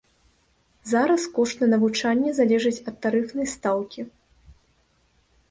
Зараз кошт на навучанне залежыць ад тарыфнай стаўкі.